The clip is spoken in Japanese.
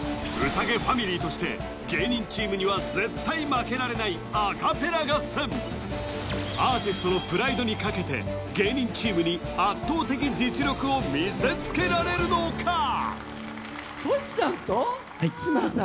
ファミリーとして芸人チームには絶対負けられないアカペラ合戦アーティストのプライドにかけて芸人チームに圧倒的実力を見せつけられるのか？